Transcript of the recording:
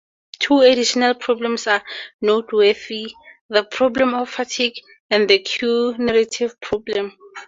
Two additional problems are noteworthy, the "problem of fatigue" and the Q narrative problem.